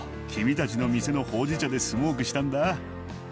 君たちの店のほうじ茶でスモークしたんだ。